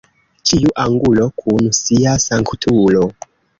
Ĉiu angulo kun sia sanktulo.